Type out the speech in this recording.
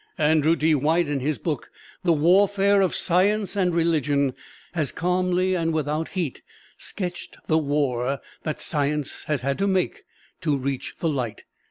Andrew D. White, in his book, "The Warfare of Science and Religion," has calmly and without heat sketched the war that Science has had to make to reach the light.